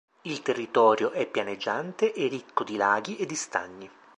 Il territorio è pianeggiante e ricco di laghi e di stagni.